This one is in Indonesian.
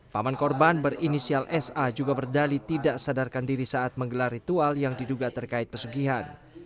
paman korban berinisial sa juga berdali tidak sadarkan diri saat menggelar ritual yang diduga terkait pesugihan